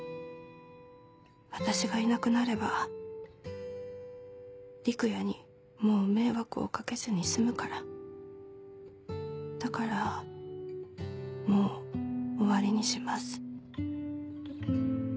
「私がいなくなれば陸也にもう迷惑をかけずにすむからだからもう終わりにします」。